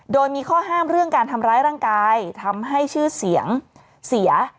โดยมีข้อห้ามเรื่องการทำร้ายร่างกายทำให้ชื่อเสียงเสีย